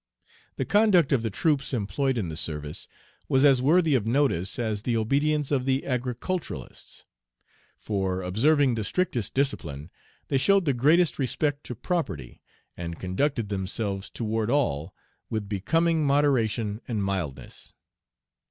The conduct of the troops employed in the service was as worthy of notice as the obedience of the agriculturists; for, observing the strictest discipline, they showed the greatest respect to property, and conducted themselves toward all with becoming moderation and mildness.